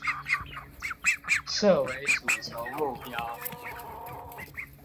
設為主軸目標